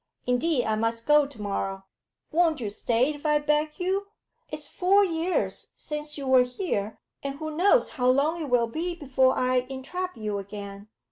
Indeed I must go to morrow.' 'Won't you stay if I beg you? It's four years since you were here, and who knows how long it will be before I entrap you again.